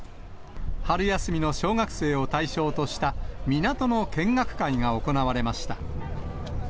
春休みの小学生を対象とした港の見学会が行われました。